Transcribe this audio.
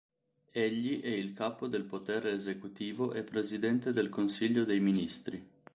Egli è il capo del potere esecutivo e presidente del Consiglio dei ministri.